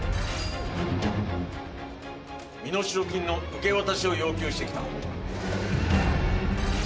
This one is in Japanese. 身代金の受け渡しを要求してきた。